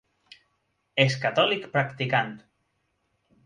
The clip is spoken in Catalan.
És catòlic practicant.